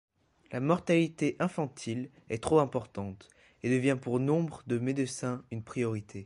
La mortalité infantile est trop importante, et devient, pour nombre de médecins une priorité.